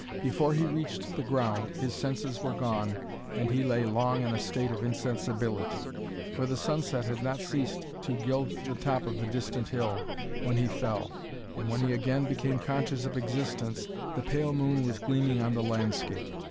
Before he reached the ground his senses were gone, and he lay long in a state of insensibility; for the sunset had not ceased to gild the top of the distant hill when he fell, and when he again became conscious of existence, the pale moon was gleaming on the landscape.